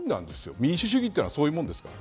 民主主義とはそういうものですから。